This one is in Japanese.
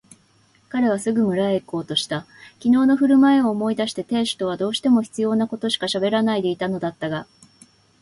彼はすぐ村へいこうとした。きのうのふるまいを思い出して亭主とはどうしても必要なことしかしゃべらないでいたのだったが、